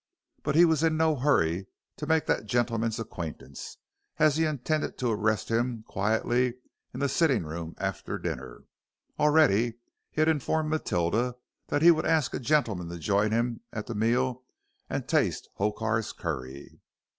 But he was in no hurry to make that gentleman's acquaintance, as he intended to arrest him quietly in the sitting room after dinner. Already he had informed Matilda that he would ask a gentleman to join him at the meal and taste Hokar's curry.